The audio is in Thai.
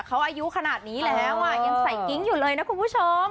เขาอายุขนาดนี้แล้วยังใส่กิ๊งอยู่เลยนะคุณผู้ชม